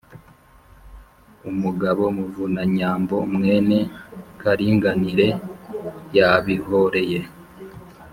umugabo muvunanyambo mwene karinganire yabihoreye